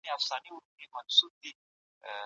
ړومبی سلام وکړئ او روغه وکړئ.